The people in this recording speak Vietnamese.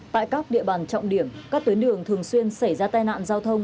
tại các địa bàn trọng điểm các tuyến đường thường xuyên xảy ra tai nạn giao thông